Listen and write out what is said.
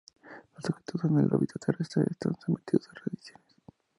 Los objetos en la órbita terrestre están sometidos a radiaciones.